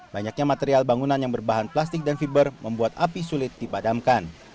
banyaknya material bangunan yang berbahan plastik dan fiber membuat api sulit dipadamkan